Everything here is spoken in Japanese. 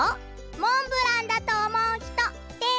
「モンブラン」だとおもうひとてをあげて！